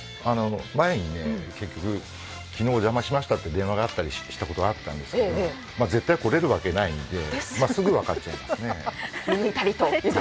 前に昨日お邪魔しましたと電話があったりしたんですが、絶対来れるわけないんで、すぐ分かっちゃいますね。